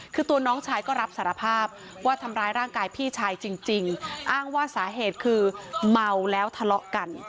คือตัวน้องชายก็รับสารภาพว่าทำร้ายร่างกายพี่ชายจริงอ้างว่าสาเหตุคือเมาแล้วทะเลาะกัน